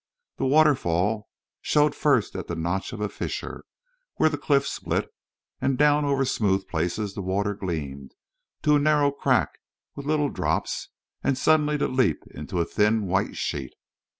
The waterfall showed first at the notch of a fissure, where the cliff split; and down over smooth places the water gleamed, to narrow in a crack with little drops, and suddenly to leap into a thin white sheet.